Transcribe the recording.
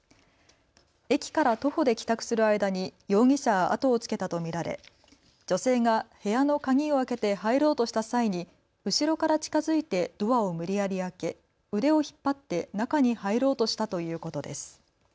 駅から徒歩で帰宅する間に容疑者が後をつけたと見られ女性が部屋の鍵を開けて入ろうとした際に後ろから近づいてドアを無理やり開け腕を引っ張って中に入ろうとしたということです。